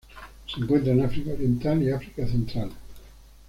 Se encuentra en África oriental y África central.